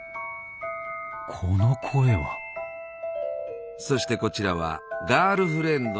この声はそしてこちらはガールフレンドのミミ。